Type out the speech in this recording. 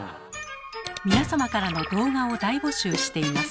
皆様からの動画を大募集しています。